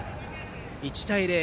１対０。